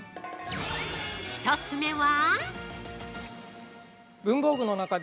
１つ目は◆